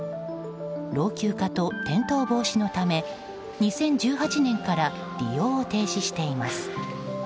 老朽化と転倒防止のため２０１８年から利用を停止しています。